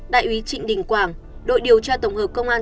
đại úy trịnh đình quảng đội điều tra tổng hợp công an